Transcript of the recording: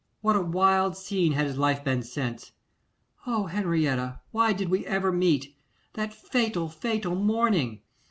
What a wild scene had his life been since! O Henrietta! why did we ever meet? That fatal, fatal morning!